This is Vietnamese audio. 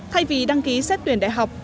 thay vì đăng ký xét tuyển đại học